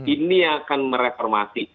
ini yang akan mereformasi